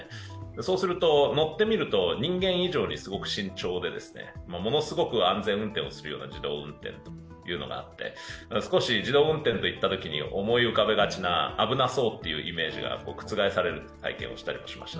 そうすると、乗ってみると人間以上に慎重でものすごく安全運転をするような自動運転というのがあって少し自動運転といったときに思い浮かべがちな危なそうというイメージが覆される体験もしました。